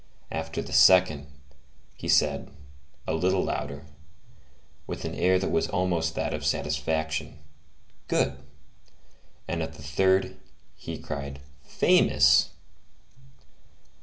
after the second, he said, a little louder, with an air that was almost that of satisfaction, "Good!" at the third, he cried, "Famous!"